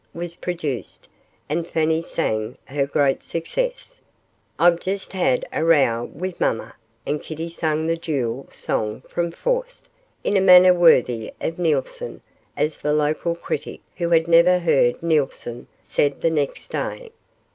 was produced, and Fanny sang her great success, 'I've just had a row with mamma', and Kitty sang the jewel song from 'Faust' in a manner worthy of Neilson, as the local critic who had never heard Neilson said the next day.